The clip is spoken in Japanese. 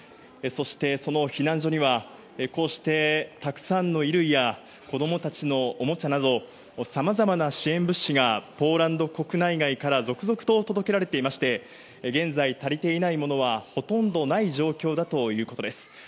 そして、その避難所にはこうして、たくさんの衣類や子供たちのおもちゃなどさまざまな支援物資がポーランド国内外から続々と届けられていまして現在、足りていないものはほとんどない状況だということです。